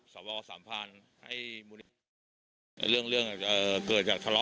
คือเห็นใจในคลิปเห็นใจในภาพนี้